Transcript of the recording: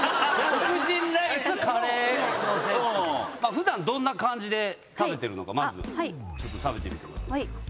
普段どんな感じで食べてるのかまず食べてみてください。